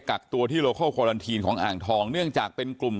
กักตัวที่โลโคลคอลันทีนของอ่างทองเนื่องจากเป็นกลุ่ม